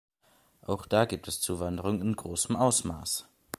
Auch da gibt es Zuwanderung in großem Ausmaß.